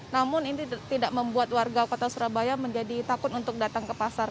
namun ini tidak membuat warga kota surabaya menjadi takut untuk datang ke pasar